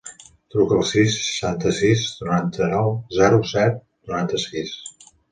Truca al sis, seixanta-sis, noranta-nou, zero, set, noranta-sis.